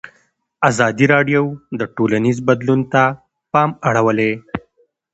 ازادي راډیو د ټولنیز بدلون ته پام اړولی.